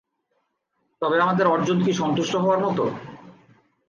তবে আমাদের অর্জন কি সন্তুষ্ট হওয়ার মতো?